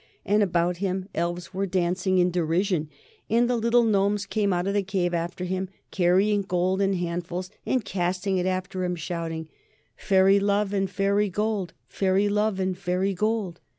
And about him elves were dancing in derision, and the little gnomes came out of the cave after him, carrying gold in handfuls and casting it after him, shouting, "Fairy love and fairy gold! Fairy love and fairy gold!"